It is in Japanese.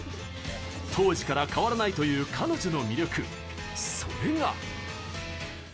当時から変わらないという彼女の魅力、それが。